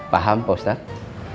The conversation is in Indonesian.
paham pak ustadz